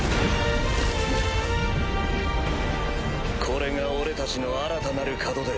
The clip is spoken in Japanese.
これが俺たちの新たなる門出。